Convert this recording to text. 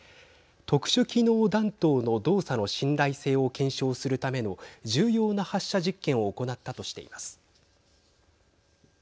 特殊機能弾頭の動作の信頼性を検証するための重要な発射実験を行ったとしています。